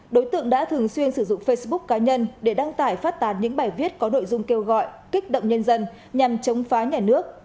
đối tượng đã thường xuyên sử dụng facebook cá nhân để đăng tải phát tán những bài viết có nội dung kêu gọi kích động nhân dân nhằm chống phá nhà nước